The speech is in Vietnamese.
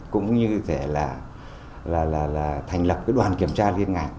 cũng như là thành lập đoàn kiểm tra liên ngạc